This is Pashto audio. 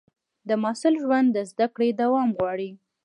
د محصل ژوند د زده کړې دوام غواړي.